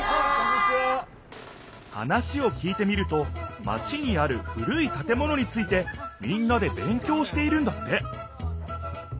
話を聞いてみるとマチにある古い建物についてみんなでべん強しているんだって